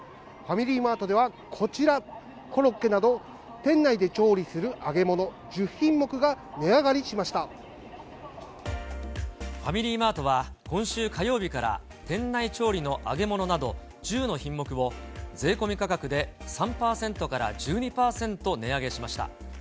ファミリーマートではこちら、コロッケなど、店内で調理する揚げ物、１０品目が値上がりしましファミリーマートは、今週火曜日から、店内調理の揚げ物など、１０の品目を税込み価格で３％から１２％値上げしました。